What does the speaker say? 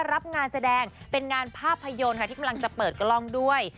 รับงานแสดงเป็นงานภาพยนตร์ค่ะที่กำลังจะเปิดกล้องด้วย